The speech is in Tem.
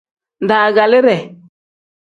Daagaliide.